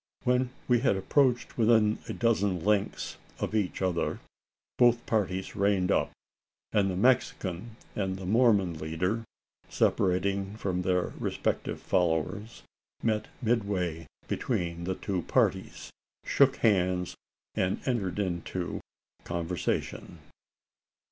When we had approached within a dozen lengths of each other, both parties reined up; and the Mexican and Mormon leader, separating from their respective followers, met midway between the two parties, shook hands, and entered into conversation.